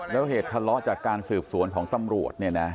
แล้วเหตุทะเลาะจากการสืบสวนของตำรวจเนี่ยนะ